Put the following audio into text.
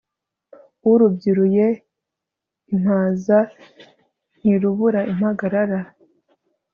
urubyiruye iimpaza ntirubura impagarara